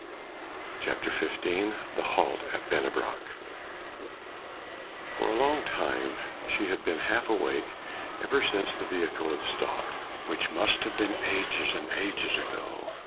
CHAPTER XV THE HALT AT BENNEBROCK For a long time she had been half awake, ever since the vehicle had stopped, which must have been ages and ages ago.